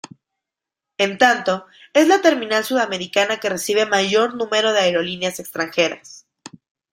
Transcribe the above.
En tanto, es la terminal sudamericana que recibe mayor número de aerolíneas extranjeras.